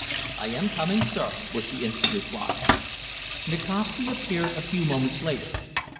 "I am coming, sir," was the instant reply. Nikasti appeared, a few moments later.